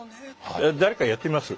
誰かやってみます？